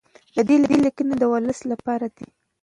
د ده لیکنې د ولس لپاره دي.